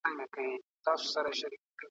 بیا ډېوې در څخه غواړم د کیږدۍ د ماښامونو `